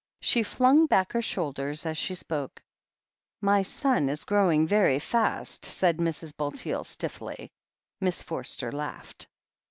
She flung back her shoulders as she spoke. "My son is growing very fast," said Mrs. Bulteel stiffly. Miss Forster laughed.